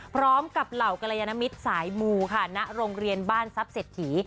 เหล่ากรยานมิตรสายมูค่ะณโรงเรียนบ้านทรัพย์เศรษฐี